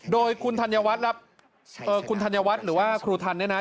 โดยคุณธัญวัตรหรือว่าครูทันเนี่ยนะ